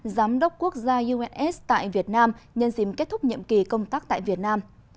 giám đốc quốc gia uns tại việt nam nhân dìm kết thúc nhiệm kỳ công tác tại việt nam